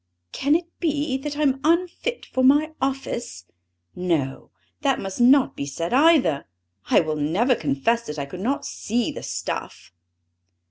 Can it be, that I am unfit for my office? No, that must not be said either. I will never confess that I could not see the stuff."